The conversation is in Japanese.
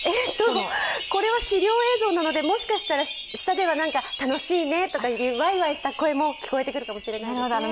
これは資料映像なのでもしかしたら下では楽しいねとかワイワイした声も聞こえてくるかもしれないですね。